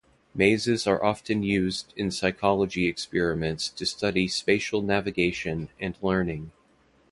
Mazes are often used in psychology experiments to study spatial navigation and learning.